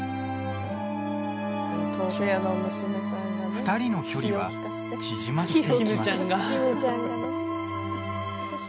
２ 人の距離は縮まっていきます。